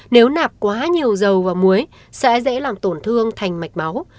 nếu nạp quá nhiều dầu và muối sẽ dễ làm tổn thương thành mạch máu